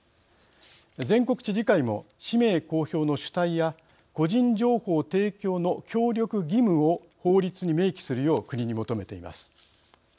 全国知事会も氏名公表の主体や個人情報提供の協力義務を法律に明記するよう国に求めています。